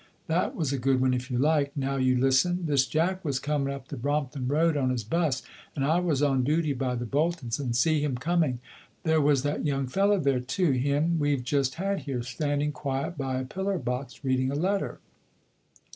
That was a good one, if you like. Now you listen. This Jack was coming up the Brompton Road on his 'bus and I was on duty by the Boltons and see him coming. There was that young feller there too him we've just had here standing quiet by a pillar box, reading a letter.